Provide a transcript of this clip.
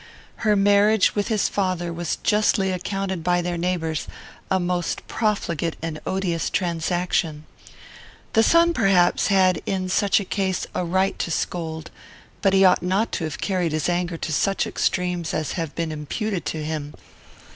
Her marriage with his father was justly accounted by their neighbours a most profligate and odious transaction. The son, perhaps, had, in such a case, a right to scold, but he ought not to have carried his anger to such extremes as have been imputed to him.